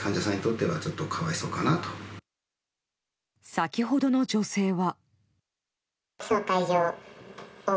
先ほどの女性は。